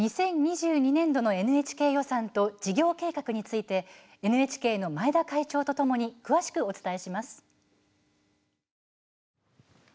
２０２２年度のＮＨＫ予算と事業計画についてＮＨＫの前田会長とともに詳しくお伝えします。